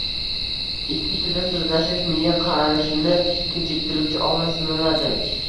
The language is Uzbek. Ikki tilda soʻzlashish miya qarishini kechiktiruvchi omil sanaladi.